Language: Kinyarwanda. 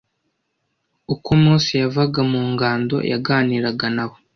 uko Mose yavaga mu ngando yaganiraga nabo